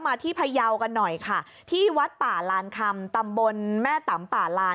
ที่พยาวกันหน่อยค่ะที่วัดป่าลานคำตำบลแม่ตำป่าลาน